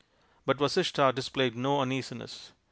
But Vasishtha displayed no uneasiness.